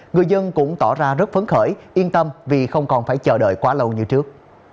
người dân cũng tỏ ra rất phấn khởi yên tâm vì không còn phải chờ đợi quá lâu như trước